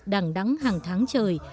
đằng đắng hàng tháng trời